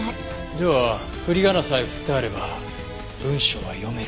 ではふりがなさえ振ってあれば文章は読める。